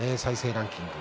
ランキング